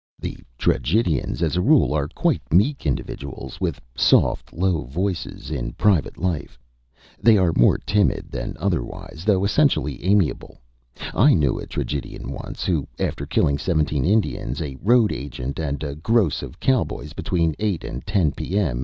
The tragedians, as a rule, are quiet meek individuals, with soft low voices, in private life. They are more timid than otherwise, though essentially amiable. I knew a tragedian once who, after killing seventeen Indians, a road agent, and a gross of cowboys between eight and ten P.M.